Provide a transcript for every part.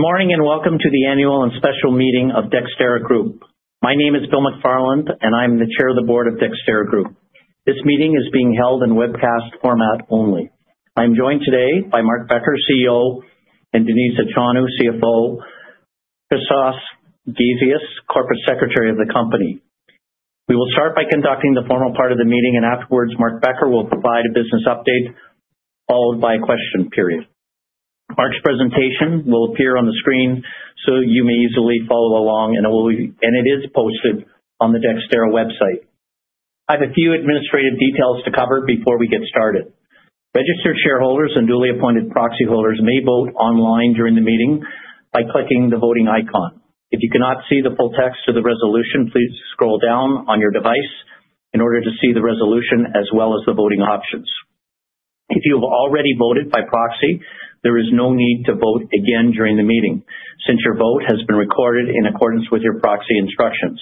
Good morning, and welcome to the annual and special meeting of Dexterra Group. My name is Bill McFarland, and I'm the Chair of the Board of Dexterra Group. This meeting is being held in webcast format only. I'm joined today by Mark Becker, CEO, and Denise Achonu, CFO, Christos Gazeas, Corporate Secretary of the company. We will start by conducting the formal part of the meeting, and afterwards, Mark Becker will provide a business update, followed by a question period. Mark's presentation will appear on the screen so you may easily follow along, and it is posted on the Dexterra website. I have a few administrative details to cover before we get started. Registered shareholders and newly appointed proxy holders may vote online during the meeting by clicking the voting icon. If you cannot see the full text of the resolution, please scroll down on your device in order to see the resolution as well as the voting options. If you have already voted by proxy, there is no need to vote again during the meeting since your vote has been recorded in accordance with your proxy instructions.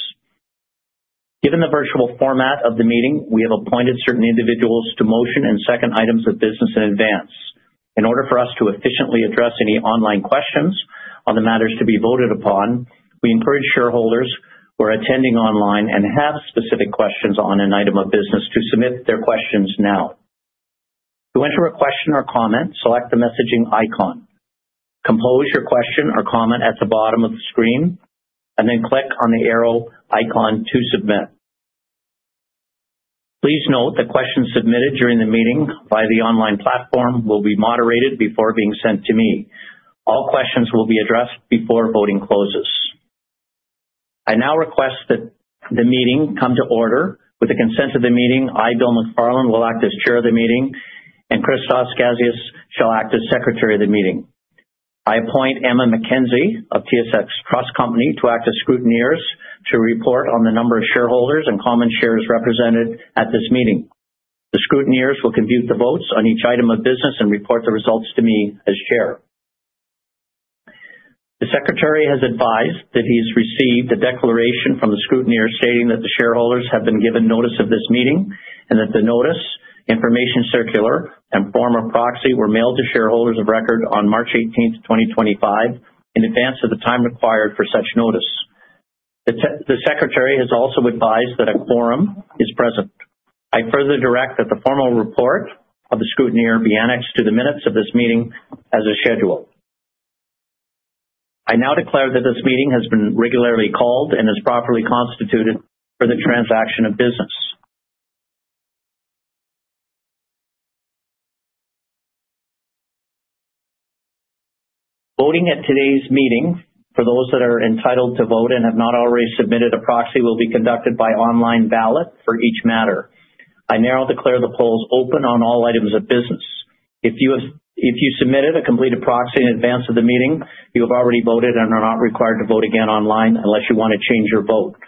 Given the virtual format of the meeting, we have appointed certain individuals to motion and second items of business in advance. In order for us to efficiently address any online questions on the matters to be voted upon, we encourage shareholders who are attending online and have specific questions on an item of business to submit their questions now. To enter a question or comment, select the messaging icon. Compose your question or comment at the bottom of the screen, and then click on the arrow icon to submit. Please note that questions submitted during the meeting by the online platform will be moderated before being sent to me. All questions will be addressed before voting closes. I now request that the meeting come to order. With the consent of the meeting, I, Bill McFarland, will act as chair of the meeting, and Christos Gazeas shall act as secretary of the meeting. I appoint Emma McKenzie of TSX Trust Company to act as scrutineers to report on the number of shareholders and common shares represented at this meeting. The scrutineers will compute the votes on each item of business and report the results to me as chair. The Secretary has advised that he's received a declaration from the scrutineers stating that the shareholders have been given notice of this meeting and that the notice, information circular, and form of proxy were mailed to shareholders of record on March 18, 2025, in advance of the time required for such notice. The Secretary has also advised that a quorum is present. I further direct that the formal report of the scrutineer be annexed to the minutes of this meeting as scheduled. I now declare that this meeting has been regularly called and is properly constituted for the transaction of business. Voting at today's meeting for those that are entitled to vote and have not already submitted a proxy will be conducted by online ballot for each matter. I now declare the polls open on all items of business. If you submitted a completed proxy in advance of the meeting, you have already voted and are not required to vote again online unless you wanna change your vote.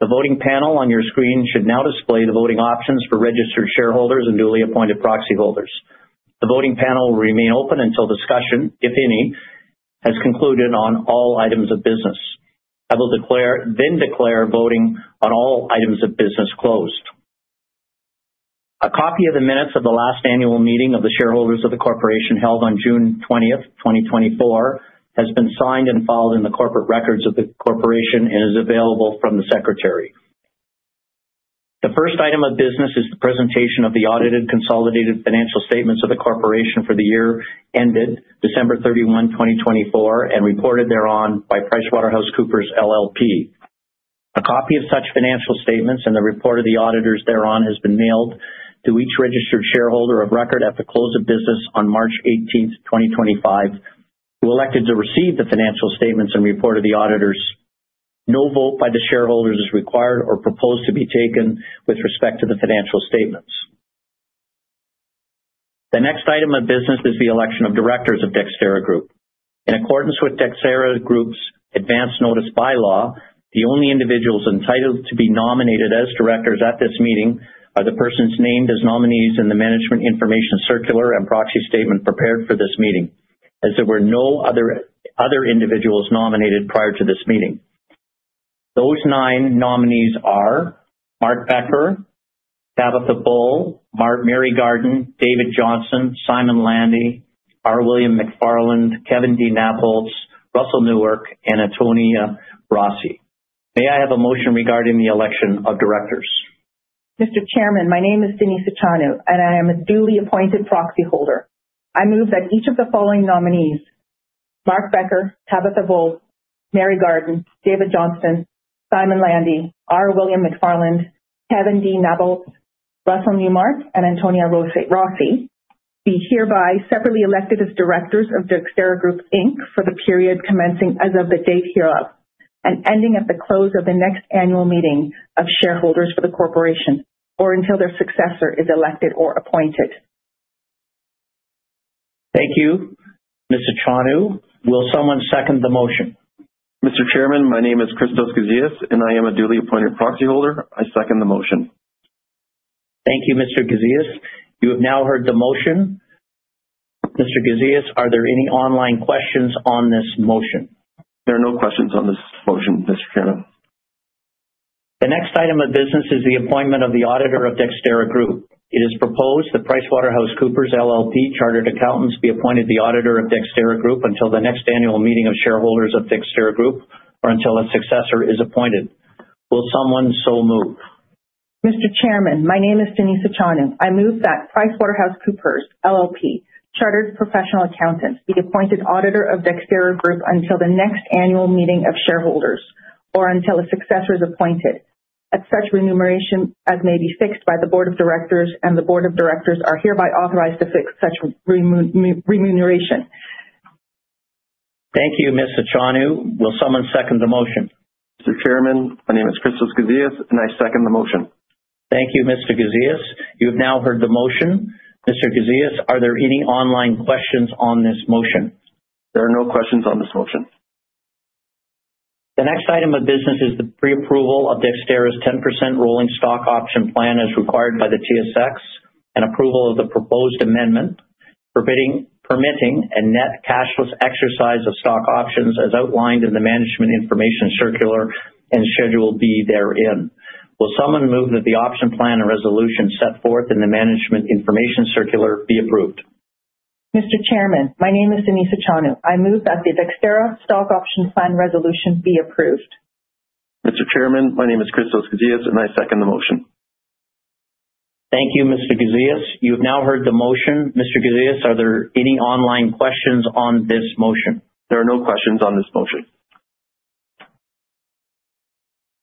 The voting panel on your screen should now display the voting options for registered shareholders and newly appointed proxy holders. The voting panel will remain open until discussion, if any, has concluded on all items of business. I will declare voting on all items of business closed. A copy of the minutes of the last annual meeting of the shareholders of the corporation held on June 20, 2024, has been signed and filed in the corporate records of the corporation and is available from the secretary. The first item of business is the presentation of the audited consolidated financial statements of the corporation for the year ended December 31, 2024, and reported thereon by PricewaterhouseCoopers LLP. A copy of such financial statements and the report of the auditors thereon has been mailed to each registered shareholder of record at the close of business on March 18, 2025, who elected to receive the financial statements and report of the auditors. No vote by the shareholders is required or proposed to be taken with respect to the financial statements. The next item of business is the election of directors of Dexterra Group. In accordance with Dexterra Group's advanced notice bylaw, the only individuals entitled to be nominated as directors at this meeting are the persons named as nominees in the management information circular and proxy statement prepared for this meeting, as there were no other individuals nominated prior to this meeting. Those nine nominees are Mark Becker, Tabatha Bull, Mary Garden, David Johnston, Simon Landy, R. William McFarland, Kevin D. Nabholz, Russell Newmark, and Toni Rossi. May I have a motion regarding the election of directors? Mr. Chairman, my name is Denise Achonu, and I am a duly appointed proxy holder. I move that each of the following nominees, Mark Becker, Tabatha Bull, Mary Garden, David Johnston, Simon Landy, R. William McFarland, Kevin D. Nabholz, Russell Newmark, and Antonia Rossi, be hereby separately elected as directors of Dexterra Group Inc. for the period commencing as of the date hereof and ending at the close of the next annual meeting of shareholders for the corporation or until their successor is elected or appointed. Thank you, Ms. Achonu. Will someone second the motion? Mr. Chairman, my name is Christos Gazeas, and I am a duly appointed proxy holder. I second the motion. Thank you, Mr. Gazeas. You have now heard the motion. Mr. Gazeas, are there any online questions on this motion? There are no questions on this motion, Mr. Chairman. The next item of business is the appointment of the auditor of Dexterra Group. It is proposed that PricewaterhouseCoopers LLP Chartered Accountants be appointed the auditor of Dexterra Group until the next annual meeting of shareholders of Dexterra Group or until a successor is appointed. Will someone so move? Mr. Chairman, my name is Denise Achonu. I move that PricewaterhouseCoopers LLP, Chartered Professional Accountants, be appointed auditor of Dexterra Group until the next annual meeting of shareholders or until a successor is appointed at such remuneration as may be fixed by the board of directors, and the board of directors are hereby authorized to fix such remuneration. Thank you, Ms. Achonu. Will someone second the motion? Mr. Chairman, my name is Christos Gazeas, and I second the motion. Thank you, Mr. Gazeas. You have now heard the motion. Mr. Gazeas, are there any online questions on this motion? There are no questions on this motion. The next item of business is the pre-approval of Dexterra's 10% rolling stock option plan as required by the TSX, and approval of the proposed amendment permitting a net cashless exercise of stock options as outlined in the management information circular and Schedule B therein. Will someone move that the option plan and resolution set forth in the management information circular be approved? Mr. Chairman, my name is Denise Achonu. I move that the Dexterra stock option plan resolution be approved. Mr. Chairman, my name is Christos Gazeas, and I second the motion. Thank you, Mr. Gazeas. You have now heard the motion. Mr. Gazeas, are there any online questions on this motion? There are no questions on this motion.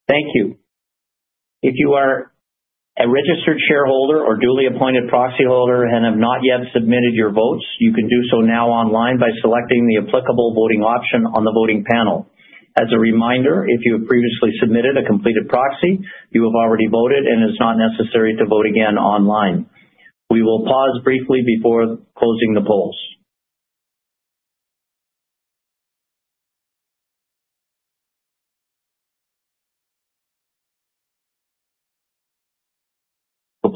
Thank you. If you are a registered shareholder or duly appointed proxyholder and have not yet submitted your votes, you can do so now online by selecting the applicable voting option on the voting panel. As a reminder, if you have previously submitted a completed proxy, you have already voted and it's not necessary to vote again online. We will pause briefly before closing the polls.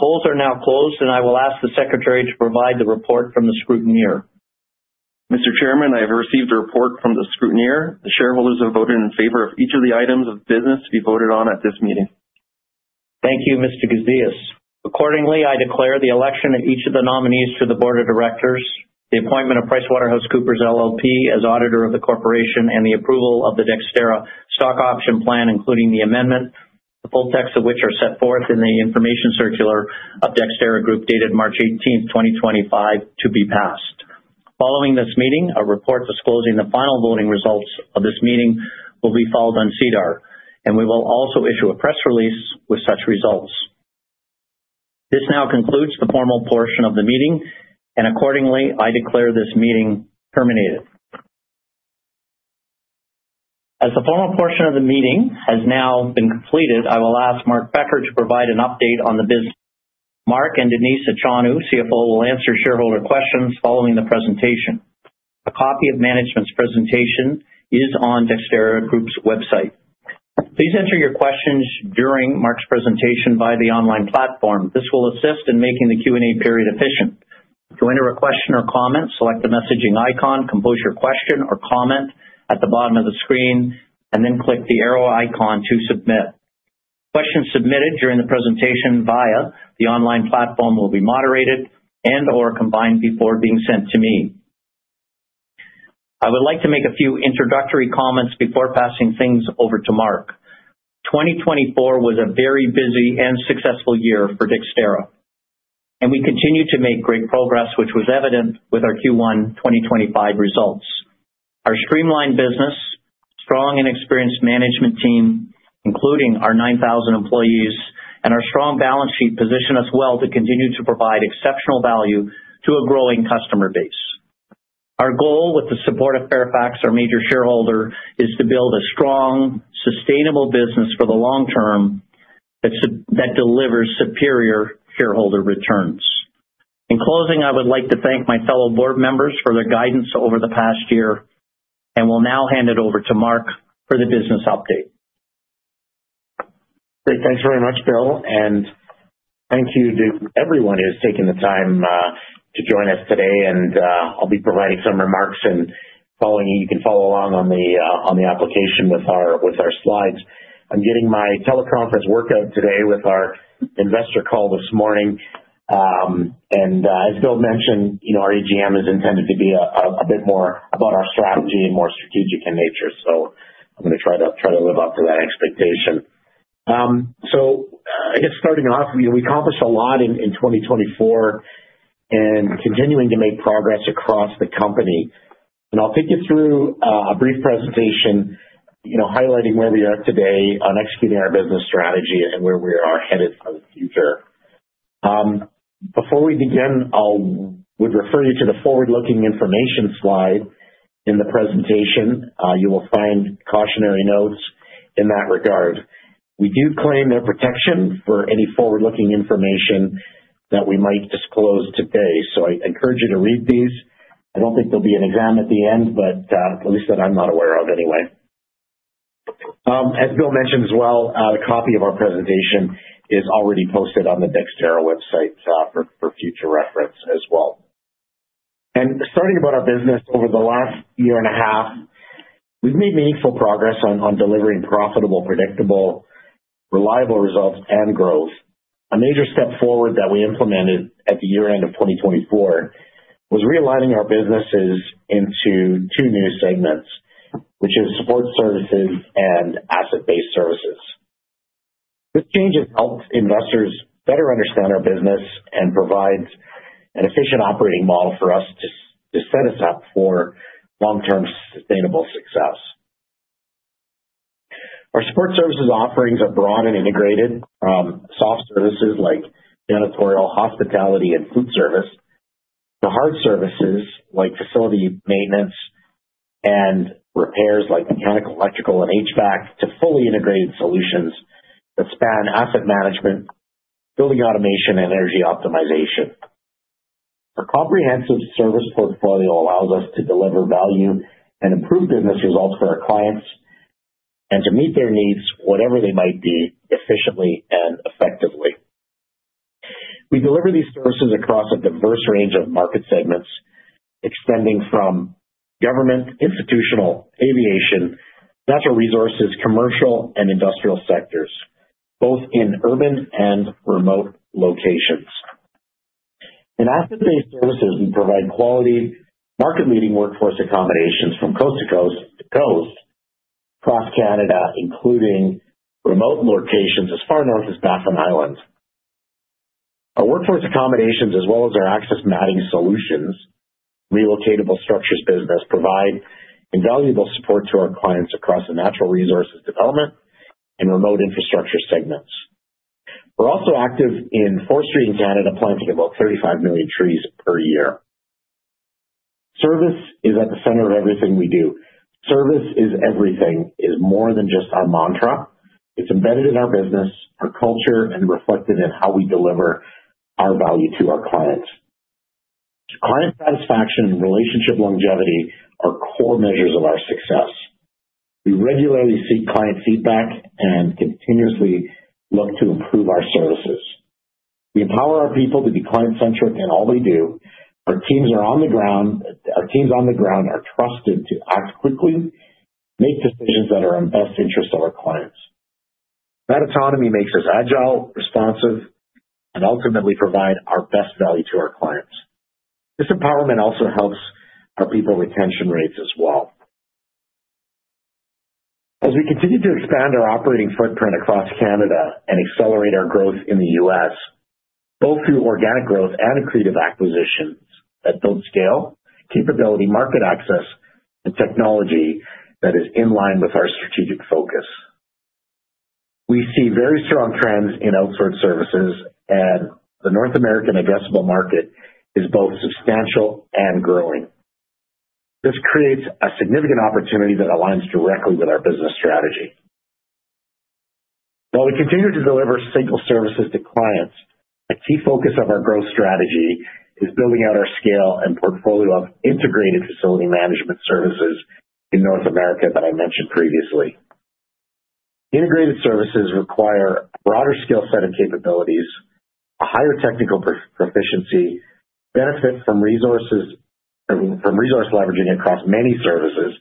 The polls are now closed, and I will ask the secretary to provide the report from the scrutineer. Mr. Chairman, I have received a report from the scrutineer. The shareholders have voted in favor of each of the items of business to be voted on at this meeting. Thank you, Mr. Gazeas. Accordingly, I declare the election of each of the nominees to the board of directors, the appointment of PricewaterhouseCoopers LLP as auditor of the corporation, and the approval of the Dexterra stock option plan, including the amendment, the full text of which are set forth in the information circular of Dexterra Group dated March 18, 2025, to be passed. Following this meeting, a report disclosing the final voting results of this meeting will be filed on SEDAR, and we will also issue a press release with such results. This now concludes the formal portion of the meeting, and accordingly, I declare this meeting terminated. As the formal portion of the meeting has now been completed, I will ask Mark Becker to provide an update on the business. Mark and Denise Achonu, CFO, will answer shareholder questions following the presentation. A copy of management's presentation is on Dexterra Group's website. Please enter your questions during Mark's presentation via the online platform. This will assist in making the Q&A period efficient. To enter a question or comment, select the messaging icon, compose your question or comment at the bottom of the screen, and then click the arrow icon to submit. Questions submitted during the presentation via the online platform will be moderated and/or combined before being sent to me. I would like to make a few introductory comments before passing things over to Mark. 2024 was a very busy and successful year for Dexterra, and we continued to make great progress, which was evident with our Q1 2025 results. Our streamlined business, strong and experienced management team, including our 9,000 employees and our strong balance sheet, position us well to continue to provide exceptional value to a growing customer base. Our goal, with the support of Fairfax, our major shareholder, is to build a strong, sustainable business for the long term that delivers superior shareholder returns. In closing, I would like to thank my fellow board members for their guidance over the past year, and will now hand it over to Mark for the business update. Great. Thanks very much, Bill, and thank you to everyone who's taking the time to join us today. I'll be providing some remarks. You can follow along on the application with our slides. I'm getting my teleconference workout today with our investor call this morning. As Bill mentioned, you know, our AGM is intended to be a bit more about our strategy and more strategic in nature. I'm gonna try to live up to that expectation. I guess starting off, you know, we accomplished a lot in 2024 and continuing to make progress across the company. I'll take you through a brief presentation, you know, highlighting where we are today on executing our business strategy and where we are headed for the future. Before we begin, I would refer you to the forward-looking information slide in the presentation. You will find cautionary notes in that regard. We do claim their protection for any forward-looking information that we might disclose today, so I encourage you to read these. I don't think there'll be an exam at the end, but at least that I'm not aware of anyway. As Bill mentioned as well, the copy of our presentation is already posted on the Dexterra website, for future reference as well. Starting about our business over the last year and a half, we've made meaningful progress on delivering profitable, predictable, reliable results and growth. A major step forward that we implemented at the year-end of 2024 was realigning our businesses into two new segments, which is Support Services and Asset Based Services. This change has helped investors better understand our business and provides an efficient operating model for us to set us up for long-term sustainable success. Our Support Services offerings are broad and integrated from soft services like janitorial, hospitality, and food service, to hard services like facility maintenance and repairs like mechanical, electrical, and HVAC, to fully integrated solutions that span asset management, building automation, and energy optimization. Our comprehensive service portfolio allows us to deliver value and improve business results for our clients and to meet their needs, whatever they might be, efficiently and effectively. We deliver these services across a diverse range of market segments, extending from government, institutional, aviation, natural resources, commercial, and industrial sectors, both in urban and remote locations. In Asset Based Services, we provide quality market-leading workforce accommodations from coast to coast to coast across Canada, including remote locations as far north as Baffin Island. Our workforce accommodations as well as our access matting solutions, relocatable structures business, provide invaluable support to our clients across the natural resources development and remote infrastructure segments. We're also active in forestry in Canada, planting about 35 million trees per year. Service is at the center of everything we do. Service is everything is more than just our mantra. It's embedded in our business, our culture, and reflected in how we deliver our value to our clients. Client satisfaction and relationship longevity are core measures of our success. We regularly seek client feedback and continuously look to improve our services. We empower our people to be client-centric in all they do. Our teams are on the ground... Our teams on the ground are trusted to act quickly, make decisions that are in best interest of our clients. That autonomy makes us agile, responsive, and ultimately provide our best value to our clients. This empowerment also helps our people retention rates as well. We continue to expand our operating footprint across Canada and accelerate our growth in the U.S., both through organic growth and accretive acquisitions that build scale, capability, market access, and technology that is in line with our strategic focus. We see very strong trends in outsource services, and the North American addressable market is both substantial and growing. This creates a significant opportunity that aligns directly with our business strategy. While we continue to deliver single services to clients, a key focus of our growth strategy is building out our scale and portfolio of integrated facility management services in North America that I mentioned previously. Integrated services require a broader skill set of capabilities, a higher technical proficiency, benefit from resource leveraging across many services,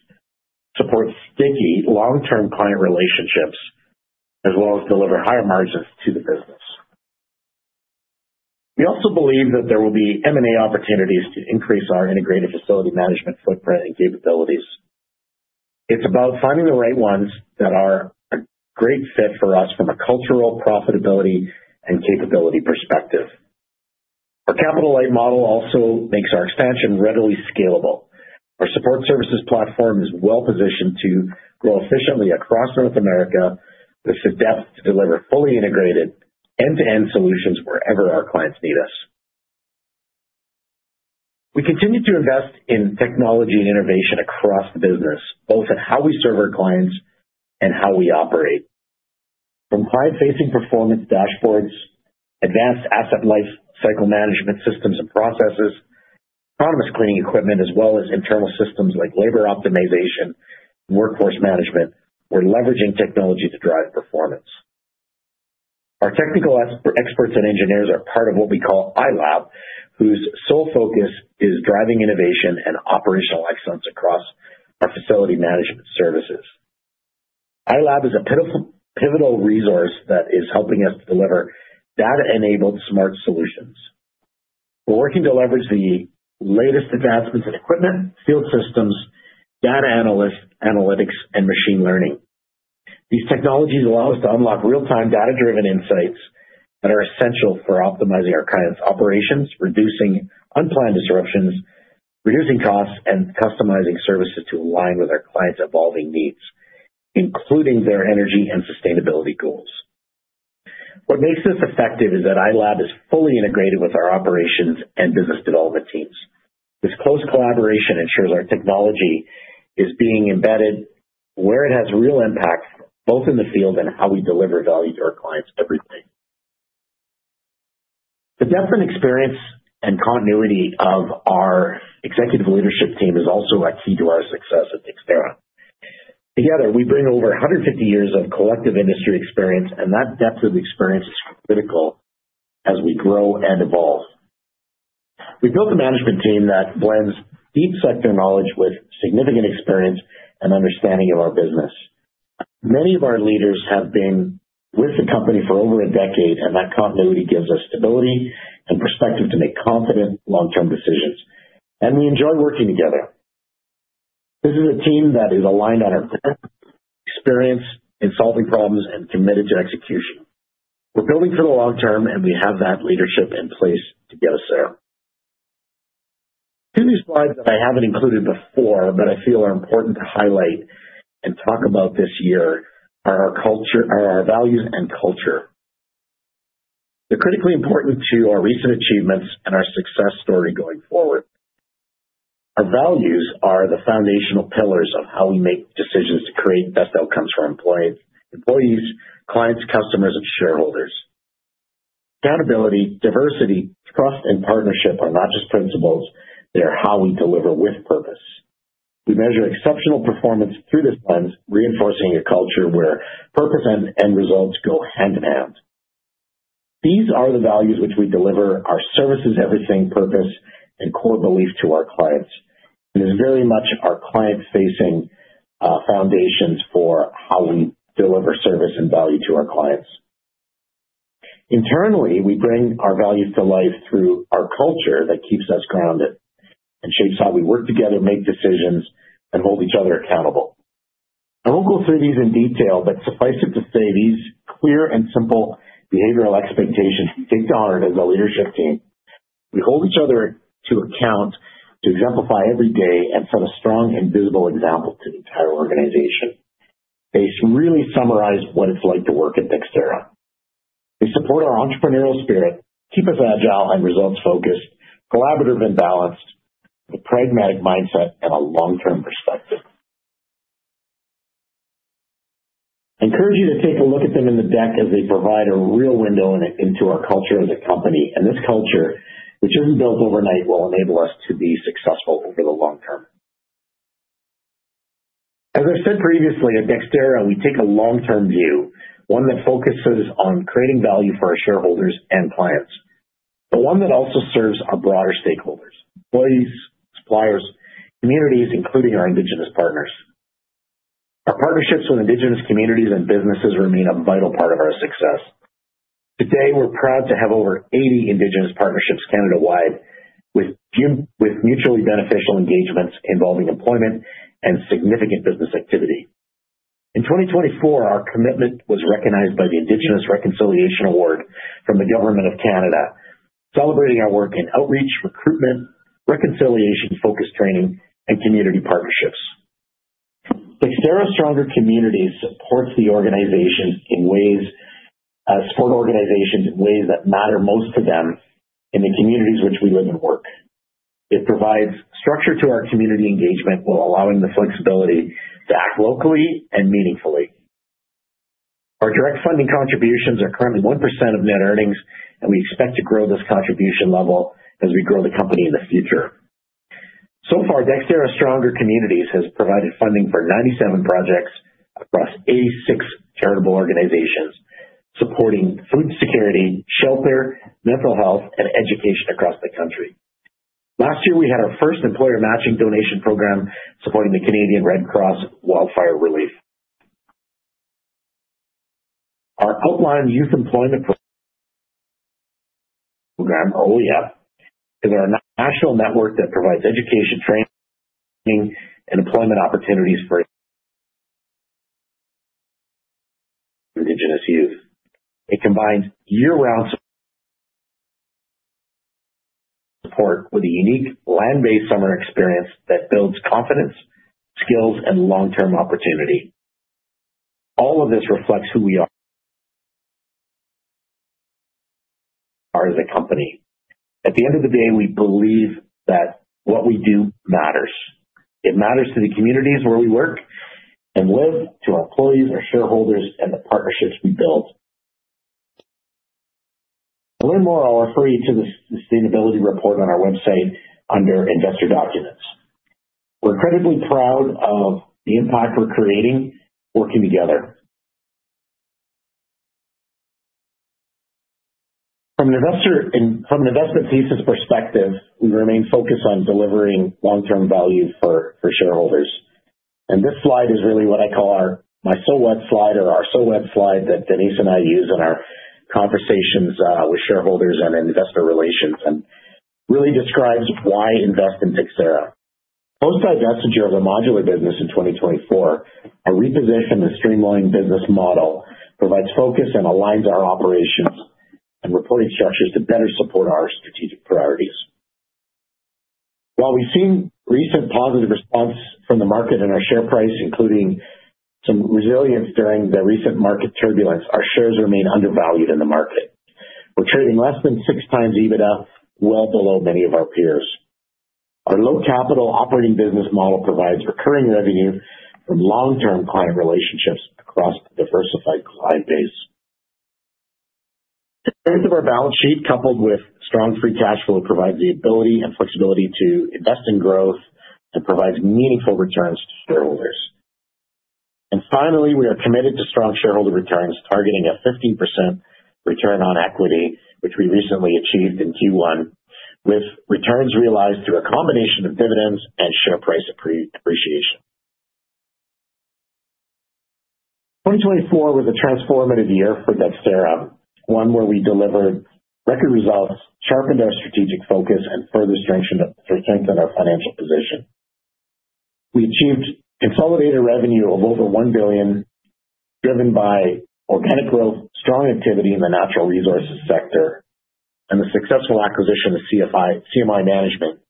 support sticky long-term client relationships, as well as deliver higher margins to the business. We also believe that there will be M&A opportunities to increase our integrated facility management footprint and capabilities. It's about finding the right ones that are a great fit for us from a cultural profitability and capability perspective. Our capital light model also makes our expansion readily scalable. Our Support Services platform is well positioned to grow efficiently across North America with the depth to deliver fully integrated end-to-end solutions wherever our clients need us. We continue to invest in technology and innovation across the business, both in how we serve our clients and how we operate. From client-facing performance dashboards, advanced asset life cycle management systems and processes, autonomous cleaning equipment, as well as internal systems like labor optimization, workforce management, we're leveraging technology to drive performance. Our technical experts and engineers are part of what we call i-lab, whose sole focus is driving innovation and operational excellence across our facility management services. i-lab is a pivotal resource that is helping us deliver data-enabled smart solutions. We're working to leverage the latest advancements in equipment, field systems, data analytics, and machine learning. These technologies allow us to unlock real-time data-driven insights that are essential for optimizing our clients' operations, reducing unplanned disruptions, reducing costs, and customizing services to align with our clients' evolving needs, including their energy and sustainability goals. What makes this effective is that i-lab is fully integrated with our operations and business development teams. This close collaboration ensures our technology is being embedded where it has real impact, both in the field and how we deliver value to our clients every day. The depth and experience and continuity of our executive leadership team is also a key to our success at Dexterra. Together, we bring over 150 years of collective industry experience, and that depth of experience is critical as we grow and evolve. We've built a management team that blends deep sector knowledge with significant experience and understanding of our business. Many of our leaders have been with the company for over a decade, and that continuity gives us stability and perspective to make confident long-term decisions, and we enjoy working together. This is a team that is aligned on our experience in solving problems and committed to execution. We're building for the long term, and we have that leadership in place to get us there. Two new slides that I haven't included before but I feel are important to highlight and talk about this year are our values and culture. They're critically important to our recent achievements and our success story going forward. Our values are the foundational pillars of how we make decisions to create best outcomes for employees, clients, customers, and shareholders. Accountability, diversity, trust, and partnership are not just principles. They are how we deliver with purpose. We measure exceptional performance through this lens, reinforcing a culture where purpose and end results go hand in hand. These are the values which we deliver our services, everything, purpose, and core belief to our clients. It is very much our client-facing foundations for how we deliver service and value to our clients. Internally, we bring our values to life through our culture that keeps us grounded and shapes how we work together, make decisions, and hold each other accountable. I won't go through these in detail, but suffice it to say, these clear and simple behavioral expectations we take to heart as a leadership team. We hold each other to account to exemplify every day and set a strong and visible example to the entire organization. They really summarize what it's like to work at Dexterra. They support our entrepreneurial spirit, keep us agile and results-focused, collaborative and balanced, with a pragmatic mindset and a long-term perspective. I encourage you to take a look at them in the deck as they provide a real window into our culture as a company. This culture, which isn't built overnight, will enable us to be successful over the long term. As I said previously, at Dexterra, we take a long-term view, one that focuses on creating value for our shareholders and clients. One that also serves our broader stakeholders, employees, suppliers, communities, including our Indigenous partners. Our partnerships with Indigenous communities and businesses remain a vital part of our success. Today, we're proud to have over 80 Indigenous partnerships Canada-wide with mutually beneficial engagements involving employment and significant business activity. In 2024, our commitment was recognized by the Indigenous Reconciliation Award from the Government of Canada, celebrating our work in outreach, recruitment, reconciliation, focus training, and community partnerships. Dexterra Stronger Communities supports organizations in ways that matter most to them in the communities which we live and work. It provides structure to our community engagement while allowing the flexibility to act locally and meaningfully. Our direct funding contributions are currently 1% of net earnings, and we expect to grow this contribution level as we grow the company in the future. So far, Dexterra Stronger Communities has provided funding for 97 projects across 86 charitable organizations, supporting food security, shelter, mental health, and education across the country. Last year, we had our first employer matching donation program supporting the Canadian Red Cross Wildfire Relief. Our Outland Youth Employment Program, OYEP, is our national network that provides education, training, and employment opportunities for Indigenous youth. It combines year-round support with a unique land-based summer experience that builds confidence, skills, and long-term opportunity. All of this reflects who we are as a company. At the end of the day, we believe that what we do matters. It matters to the communities where we work and live, to our employees, our shareholders, and the partnerships we build. To learn more, I'll refer you to the sustainability report on our website under Investor Documents. We're incredibly proud of the impact we're creating working together. From an investment thesis perspective, we remain focused on delivering long-term value for shareholders. This slide is really what I call our, my so what slide or our so what slide that Denise and I use in our conversations with shareholders and investor relations, and really describes why invest in Dexterra. Post our divestiture of a modular business in 2024, our repositioned and streamlined business model provides focus and aligns our operations and reporting structures to better support our strategic priorities. While we've seen recent positive response from the market and our share price, including some resilience during the recent market turbulence, our shares remain undervalued in the market. We're trading less than 6x EBITDA, well below many of our peers. Our low capital operating business model provides recurring revenue from long-term client relationships across the diversified client base. Strength of our balance sheet coupled with strong free cash flow provides the ability and flexibility to invest in growth and provides meaningful returns to shareholders. Finally, we are committed to strong shareholder returns, targeting a 15% return on equity, which we recently achieved in Q1, with returns realized through a combination of dividends and share price appreciation. 2024 was a transformative year for Dexterra, one where we delivered record results, sharpened our strategic focus and further strengthened our financial position. We achieved consolidated revenue of over 1 billion, driven by organic growth, strong activity in the natural resources sector and the successful acquisition of CMI Management,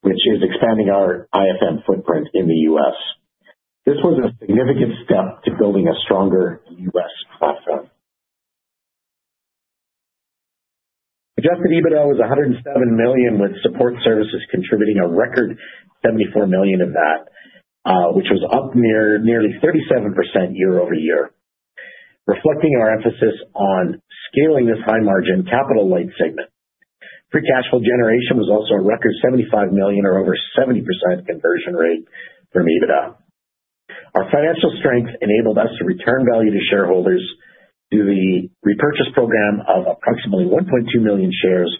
which is expanding our IFM footprint in the U.S. This was a significant step to building a stronger U.S. platform. Adjusted EBITDA was 107 million, with Support Services contributing a record 74 million of that, which was up nearly 37% year-over-year, reflecting our emphasis on scaling this high margin capital light segment. Free cash flow generation was also a record 75 million or over 70% conversion rate from EBITDA. Our financial strength enabled us to return value to shareholders through the repurchase program of approximately 1.2 million shares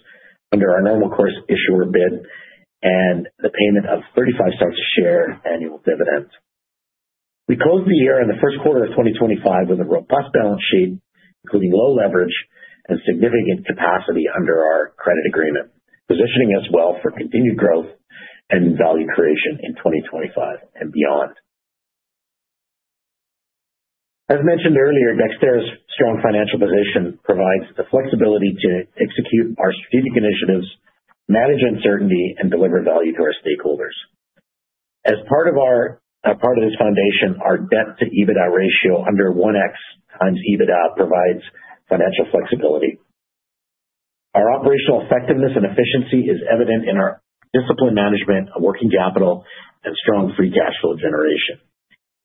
under our normal course issuer bid and the payment of 0.35 a share annual dividend. We closed the year in the first quarter of 2025 with a robust balance sheet, including low leverage and significant capacity under our credit agreement, positioning us well for continued growth and value creation in 2025 and beyond. As mentioned earlier, Dexterra's strong financial position provides the flexibility to execute our strategic initiatives, manage uncertainty and deliver value to our stakeholders. As part of this foundation, our debt to EBITDA ratio under 1x EBITDA provides financial flexibility. Our operational effectiveness and efficiency is evident in our disciplined management of working capital and strong free cash flow generation.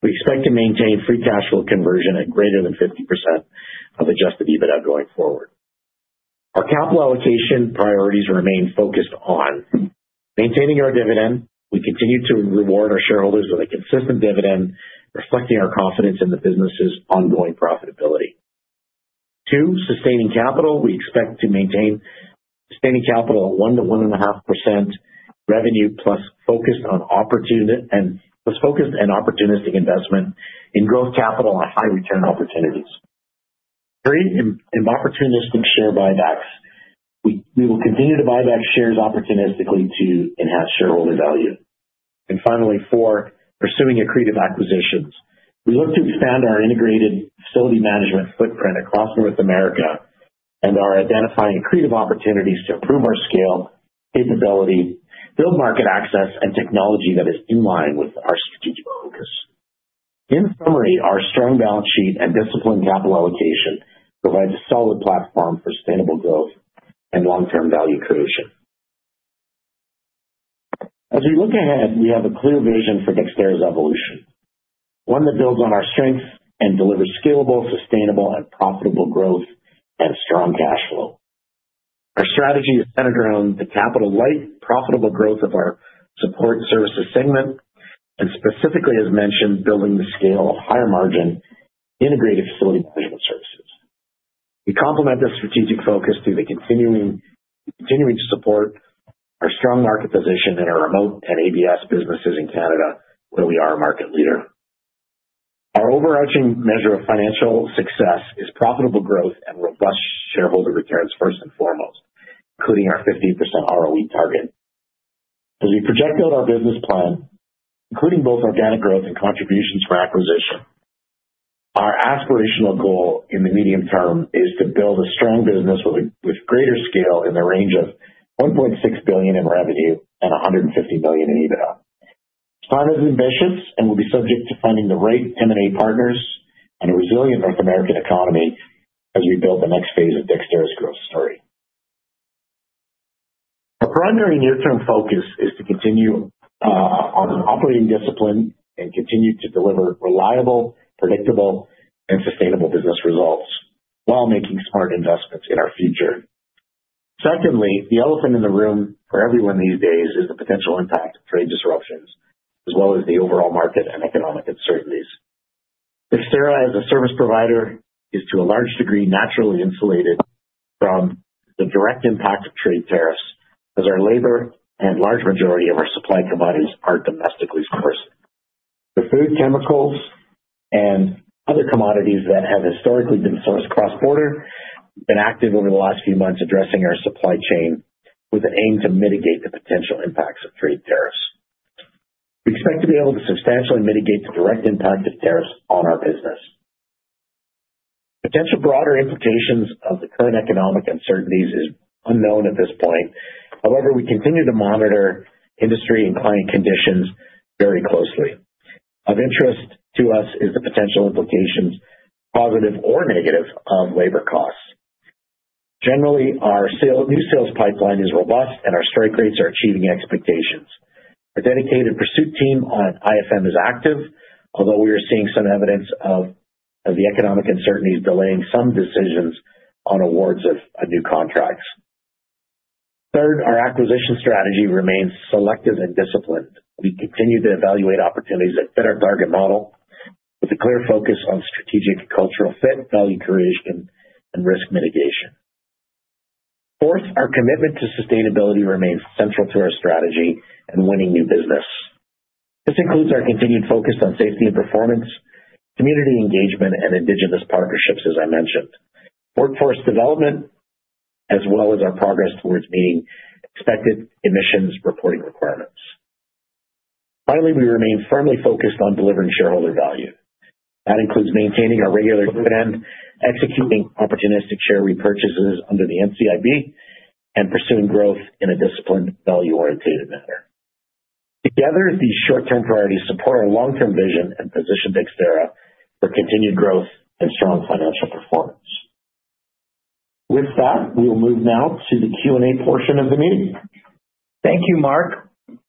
We expect to maintain free cash flow conversion at greater than 50% of adjusted EBITDA going forward. Our capital allocation priorities remain focused on maintaining our dividend. We continue to reward our shareholders with a consistent dividend, reflecting our confidence in the business' ongoing profitability. Two, sustaining capital. We expect to maintain sustaining capital at 1%-1.5% revenue plus focused on opportunistic investment in growth capital on high return opportunities. Three, opportunistic share buybacks. We will continue to buy back shares opportunistically to enhance shareholder value. Finally, four, pursuing accretive acquisitions. We look to expand our integrated facility management footprint across North America and are identifying creative opportunities to improve our scale, capability, build market access and technology that is in line with our strategic focus. In summary, our strong balance sheet and disciplined capital allocation provides a solid platform for sustainable growth and long-term value creation. As we look ahead, we have a clear vision for Dexterra's evolution, one that builds on our strengths and delivers scalable, sustainable and profitable growth and strong cash flow. Our strategy is centered around the capital light, profitable growth of our Support Services segment and specifically, as mentioned, building the scale of higher margin integrated facility management services. We complement this strategic focus through continuing to support our strong market position in our remote and ABS businesses in Canada, where we are a market leader. Our overarching measure of financial success is profitable growth and robust shareholder returns first and foremost, including our 15% ROE target. As we project out our business plan, including both organic growth and contributions from acquisition, our aspirational goal in the medium term is to build a strong business with greater scale in the range of 1.6 billion in revenue and 150 million in EBITDA. It's part of the ambitions and will be subject to finding the right M&A partners and a resilient North American economy as we build the next phase of Dexterra's growth story. Our primary near-term focus is to continue on operating discipline and continue to deliver reliable, predictable and sustainable business results while making smart investments in our future. Secondly, the elephant in the room for everyone these days is the potential impact of trade disruptions as well as the overall market and economic uncertainties. Dexterra as a service provider is to a large degree naturally insulated from the direct impact of trade tariffs as our labor and large majority of our supply commodities are domestically sourced. The food, chemicals and other commodities that have historically been sourced cross-border. We have been active over the last few months addressing our supply chain with an aim to mitigate the potential impacts of trade tariffs. We expect to be able to substantially mitigate the direct impact of tariffs on our business. Potential broader implications of the current economic uncertainties is unknown at this point. However, we continue to monitor industry and client conditions very closely. Of interest to us is the potential implications, positive or negative, on labor costs. Generally, our new sales pipeline is robust and our strike rates are achieving expectations. Our dedicated pursuit team on IFM is active, although we are seeing some evidence of the economic uncertainties delaying some decisions on awards of new contracts. Third, our acquisition strategy remains selective and disciplined. We continue to evaluate opportunities that fit our target model with a clear focus on strategic cultural fit, value creation, and risk mitigation. Fourth, our commitment to sustainability remains central to our strategy in winning new business. This includes our continued focus on safety and performance, community engagement, and Indigenous partnerships, as I mentioned, workforce development, as well as our progress towards meeting expected emissions reporting requirements. Finally, we remain firmly focused on delivering shareholder value. That includes maintaining our regular dividend, executing opportunistic share repurchases under the NCIB, and pursuing growth in a disciplined, value-oriented manner. Together, these short-term priorities support our long-term vision and position Dexterra for continued growth and strong financial performance. With that, we will move now to the Q&A portion of the meeting. Thank you, Mark.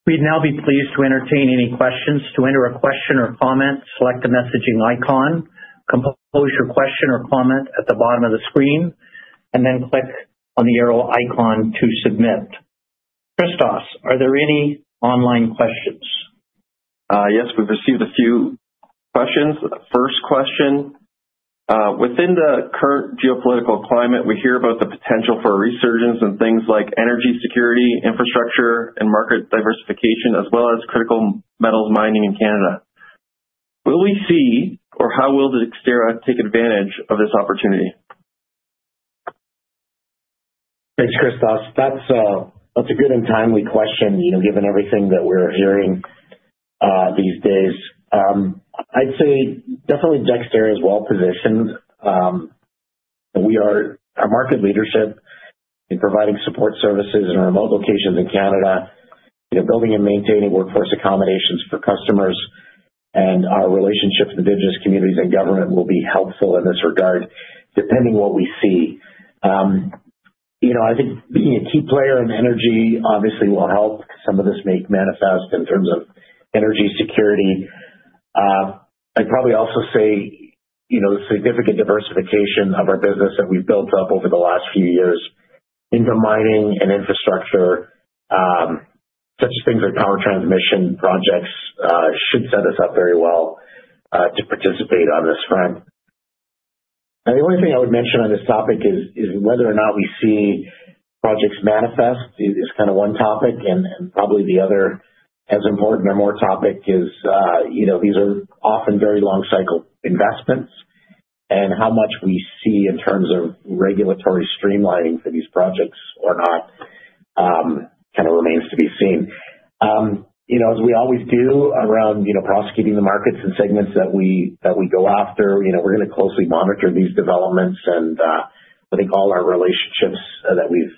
We'd now be pleased to entertain any questions. To enter a question or comment, select the messaging icon, compose your question or comment at the bottom of the screen, and then click on the arrow icon to submit. Christos, are there any online questions? Yes, we've received a few questions. The first question, within the current geopolitical climate, we hear about the potential for a resurgence in things like energy security, infrastructure, and market diversification, as well as critical metals mining in Canada. Will we see or how will Dexterra take advantage of this opportunity? Thanks, Christos. That's a good and timely question, you know, given everything that we're hearing these days. I'd say definitely Dexterra is well positioned. We have our market leadership in providing Support Services in remote locations in Canada. You know, building and maintaining workforce accommodations for customers and our relationships with Indigenous communities and government will be helpful in this regard, depending what we see. I think being a key player in energy obviously will help some of this make manifest in terms of energy security. I'd probably also say, you know, the significant diversification of our business that we've built up over the last few years into mining and infrastructure, such as things like power transmission projects, should set us up very well to participate on this front. The only thing I would mention on this topic is whether or not we see projects manifest kind of one topic and probably the other as important or more topic is, you know, these are often very long cycle investments and how much we see in terms of regulatory streamlining for these projects or not, kind of remains to be seen. You know, as we always do around, you know, prosecuting the markets and segments that we go after, you know, we're gonna closely monitor these developments and, I think all our relationships that we've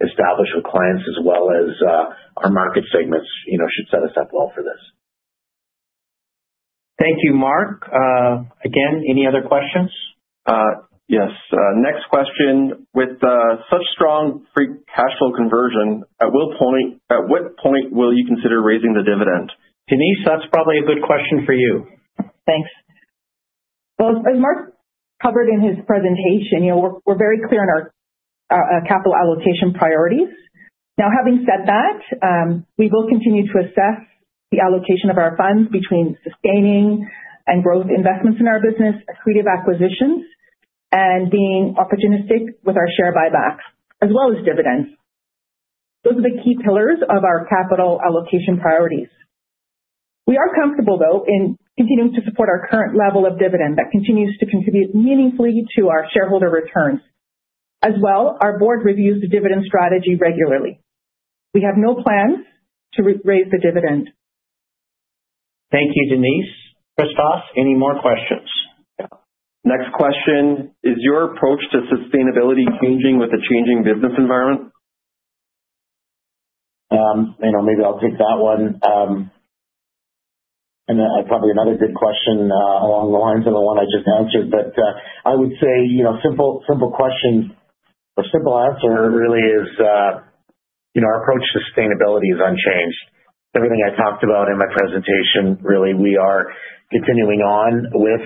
established with clients as well as, our market segments, you know, should set us up well for this. Thank you, Mark. Again, any other questions? Yes. Next question, with such strong free cash flow conversion, at what point will you consider raising the dividend? Denise, that's probably a good question for you. Thanks. Well, as Mark covered in his presentation, you know, we're very clear on our capital allocation priorities. Now, having said that, we will continue to assess the allocation of our funds between sustaining and growth investments in our business, accretive acquisitions, and being opportunistic with our share buybacks as well as dividends. Those are the key pillars of our capital allocation priorities. We are comfortable, though, in continuing to support our current level of dividend that continues to contribute meaningfully to our shareholder returns. As well, our board reviews the dividend strategy regularly. We have no plans to re-raise the dividend. Thank you, Denise. Christos, any more questions? Next question, is your approach to sustainability changing with the changing business environment? You know, maybe I'll take that one. Probably another good question along the lines of the one I just answered. I would say, you know, simple question. A simple answer really is, you know, our approach to sustainability is unchanged. Everything I talked about in my presentation, really, we are continuing on with,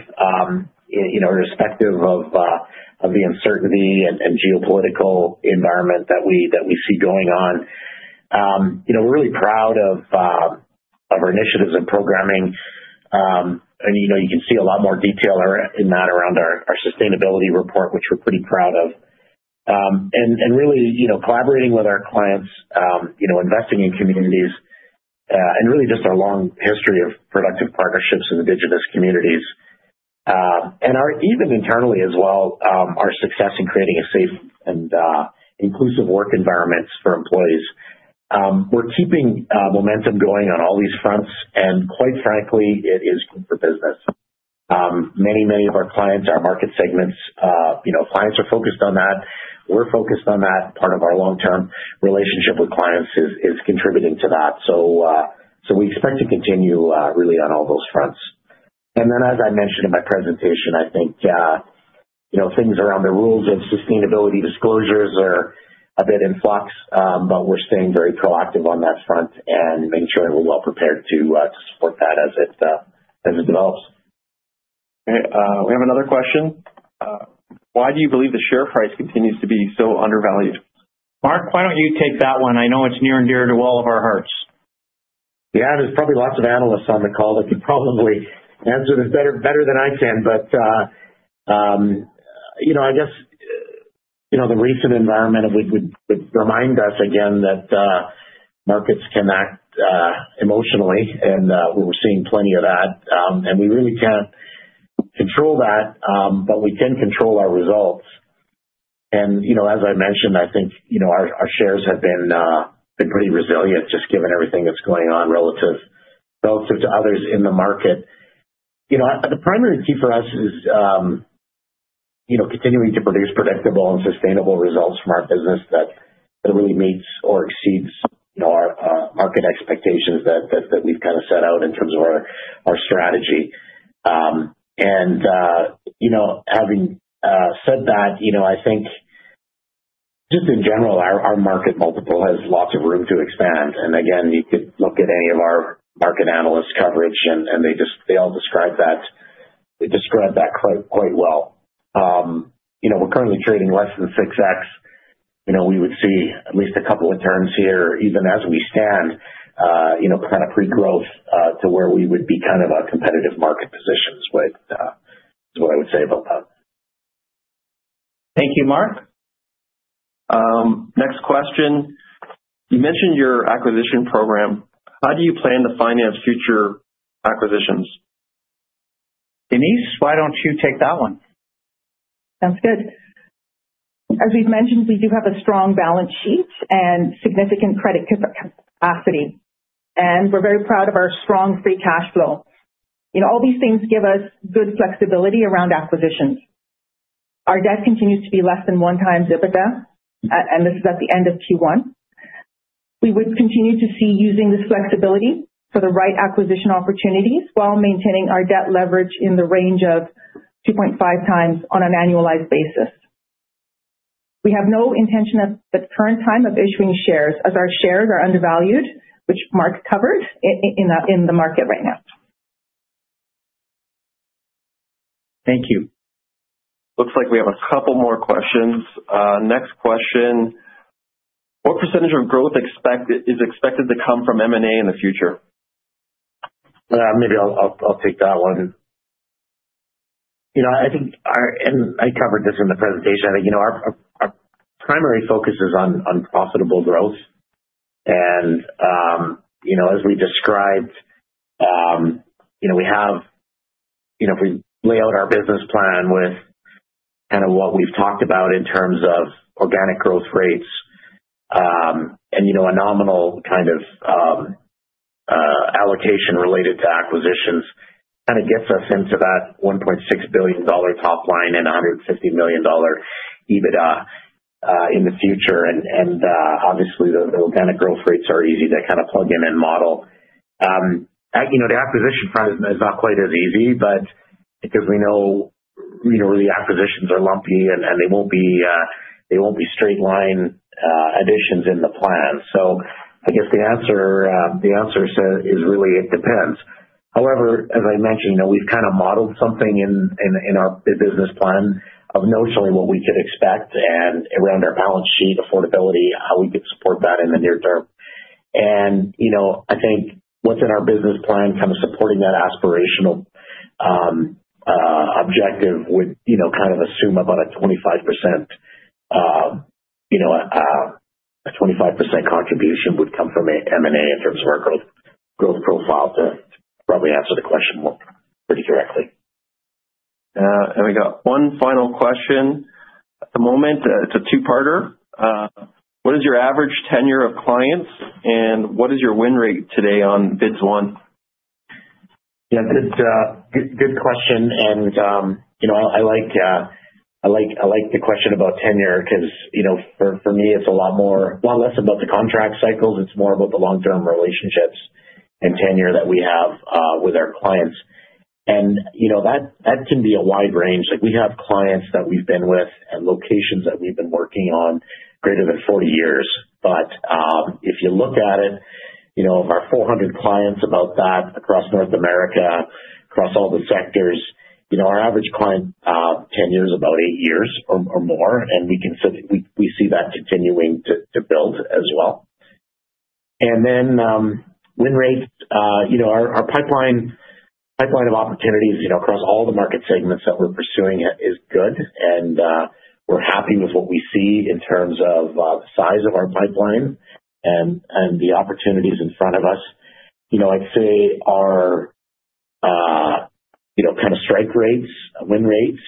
you know, irrespective of the uncertainty and geopolitical environment that we see going on. You know, we're really proud of our initiatives and programming. You know, you can see a lot more detail around our sustainability report, which we're pretty proud of. Really, you know, collaborating with our clients, you know, investing in communities, and really just our long history of productive partnerships in Indigenous communities. Our success even internally as well in creating a safe and inclusive work environments for employees. We're keeping momentum going on all these fronts, and quite frankly, it is good for business. Many of our clients, our market segments, you know, clients are focused on that. We're focused on that. Part of our long-term relationship with clients is contributing to that. We expect to continue really on all those fronts. Then as I mentioned in my presentation, I think, you know, things around the rules of sustainability disclosures are a bit in flux, but we're staying very proactive on that front and making sure we're well prepared to support that as it develops. Okay. We have another question. Why do you believe the share price continues to be so undervalued? Mark, why don't you take that one? I know it's near and dear to all of our hearts. Yeah. There's probably lots of analysts on the call that could probably answer this better than I can. You know, I guess, you know, the recent environment would remind us again that markets can act emotionally, and we were seeing plenty of that. We really can't control that, but we can control our results. You know, as I mentioned, I think, you know, our shares have been pretty resilient just given everything that's going on relative to others in the market. You know, the primary key for us is you know, continuing to produce predictable and sustainable results from our business that really meets or exceeds, you know, our market expectations that we've kind of set out in terms of our strategy. You know, having said that, you know, I think just in general, our market multiple has lots of room to expand. Again, you could look at any of our market analyst coverage and they just they all describe that, they describe that quite well. You know, we're currently trading less than 6x. You know, we would see at least a couple of turns here even as we stand, you know, kind of pre-growth, to where we would be kind of a competitive market positions with, is what I would say about that. Thank you, Mark. Next question. You mentioned your acquisition program. How do you plan to finance future acquisitions? Denise, why don't you take that one? Sounds good. As we've mentioned, we do have a strong balance sheet and significant credit capacity, and we're very proud of our strong free cash flow. You know, all these things give us good flexibility around acquisitions. Our debt continues to be less than 1x EBITDA, and this is at the end of Q1. We would continue to use this flexibility for the right acquisition opportunities while maintaining our debt leverage in the range of 2.5x on an annualized basis. We have no intention at the current time of issuing shares, as our shares are undervalued, which Mark covered in the market right now. Thank you. Looks like we have a couple more questions. Next question. What percentage of growth is expected to come from M&A in the future? Maybe I'll take that one. You know, I think I covered this in the presentation. You know, our primary focus is on profitable growth. You know, as we described, you know, we have. You know, if we lay out our business plan with kind of what we've talked about in terms of organic growth rates, and you know, a nominal kind of allocation related to acquisitions, kind of gets us into that 1.6 billion dollar top line and 150 million dollar EBITDA in the future. And obviously the organic growth rates are easy to kind of plug in and model. You know, the acquisition front is not quite as easy, but because we know, you know, the acquisitions are lumpy and they won't be straight line additions in the plan. I guess the answer is really it depends. However, as I mentioned, you know, we've kind of modeled something in our business plan of notionally what we could expect and around our balance sheet affordability, how we could support that in the near term. You know, I think within our business plan, kind of supporting that aspirational objective would, you know, kind of assume about a 25% contribution would come from M&A in terms of our growth profile to probably answer the question more directly. We got one final question at the moment. It's a two-parter. What is your average tenure of clients, and what is your win rate today on bids won? Yeah. Good question. You know, I like the question about tenure 'cause you know, for me it's a lot less about the contract cycles, it's more about the long-term relationships and tenure that we have with our clients. You know, that can be a wide range. Like, we have clients that we've been with and locations that we've been working on greater than 40 years. If you look at it, you know, of our 400 clients, about that across North America, across all the sectors, you know, our average client tenure is about eight years or more, and we see that continuing to build as well. Win rates, you know, our pipeline of opportunities across all the market segments that we're pursuing is good, and we're happy with what we see in terms of the size of our pipeline and the opportunities in front of us. You know, I'd say our kind of strike rates, win rates,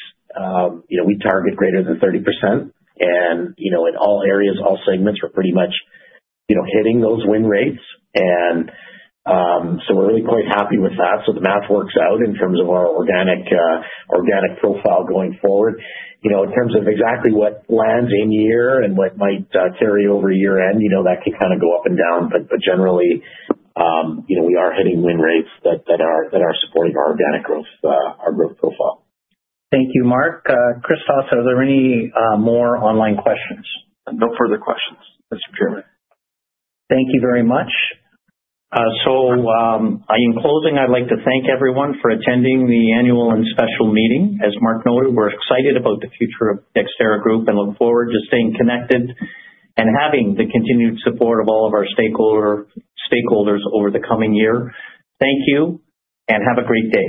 you know, we target greater than 30%. You know, in all areas, segments, we're pretty much, you know, hitting those win rates. We're really quite happy with that. The math works out in terms of our organic profile going forward. You know, in terms of exactly what lands in year and what might carry over year-end, you know, that can kind of go up and down. Generally, you know, we are hitting win rates that are supporting our organic growth, our growth profile. Thank you, Mark. Christos, are there any more online questions? No further questions, Mr. Chairman. Thank you very much. In closing, I'd like to thank everyone for attending the annual and special meeting. As Mark noted, we're excited about the future of Dexterra Group and look forward to staying connected and having the continued support of all of our stakeholder over the coming year. Thank you, and have a great day.